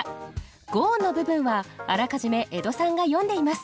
五音の部分はあらかじめ江戸さんが詠んでいます。